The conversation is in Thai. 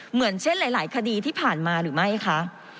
เหมือนเช่นหลายคดีที่ผ่านมาหรือไม่คะ